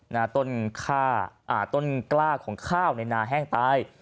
นาต้นกล้าของข้าวในนาแห้งตาย